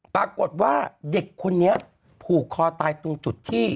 ปรากฏว่าเด็กคนนี้ผูกคอตายตรงจุดที่